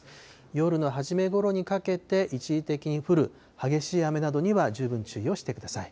夜の初めごろにかけて、一時的に降る激しい雨などには十分注意をしてください。